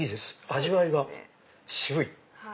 味わいが渋い。